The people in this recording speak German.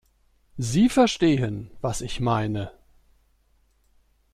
Sie verstehen, was ich meine.